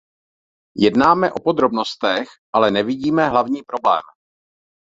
Jednáme o podrobnostech, ale nevidíme hlavní problém.